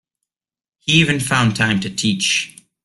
He even found time to teach.